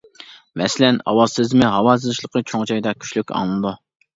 مەسىلەن ئاۋاز سېزىمى ھاۋا زىچلىقى چوڭ جايدا كۈچلۈك ئاڭلىنىدۇ.